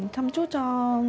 chăm chút cho